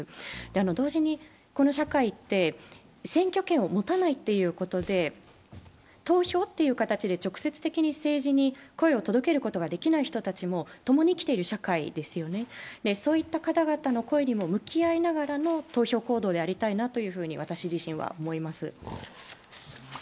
同時にこの社会って、選挙権を持たないということで投票という形で直接的に政治に声を届けることができない人たちも共に生きている社会ですよね、そういった方々の声にも向き合いながらの投票行動でありたいなと私自身は思います。